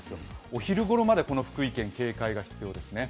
お昼ごろまで福井県は警戒が必要ですね。